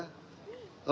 masuk ke aok ya